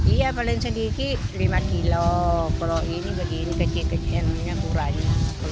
iya paling sedikit lima kilo kalau ini begini kecil kecilnya kurang